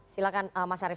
silahkan mas arief